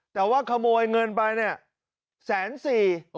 แต่ว่าขโมยเงินไปเนี่ยแสนสี่